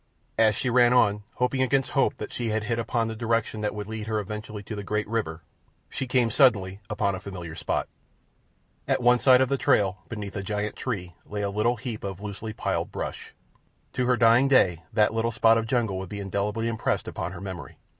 As she ran on, hoping against hope that she had hit upon the direction that would lead her eventually to the great river, she came suddenly upon a familiar spot. At one side of the trail, beneath a giant tree, lay a little heap of loosely piled brush—to her dying day that little spot of jungle would be indelibly impressed upon her memory.